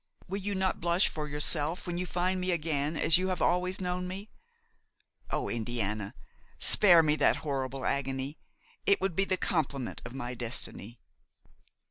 Will you not blush for yourself when you find me again as you have always known me? Oh! Indiana, spare me that horrible agony; it would be the complement of my destiny.'